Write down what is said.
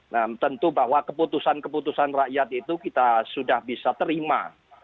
nah tentu bahwa keputusan keputusan rakyat itu kita sudah bisa terima